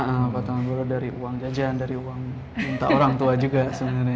iya potongan bola dari uang jajan dari uang minta orang tua juga sebenarnya